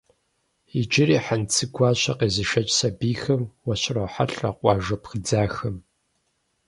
Иджыри Хьэнцэгуащэ къезышэкӏ сэбийхэм уащырохьэлӏэ къуажэ пхыдзахэм.